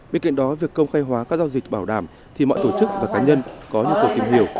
bên cạnh đó việc công khai hóa các giao dịch bảo đảm thì mọi tổ chức và cá nhân có nhu cầu tìm hiểu